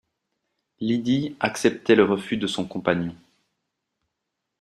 Lydie acceptait le refus de son compagnon.